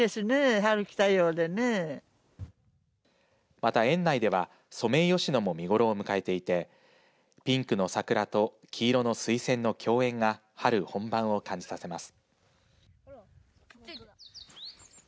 また園内ではソメイヨシノも見頃を迎えていてピンクの桜と黄色の水仙の共演が春本番を感じさせます。